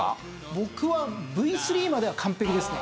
僕はＶ３までは完璧ですね。